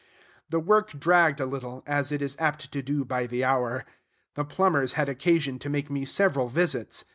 The work dragged a little, as it is apt to do by the hour. The plumbers had occasion to make me several visits.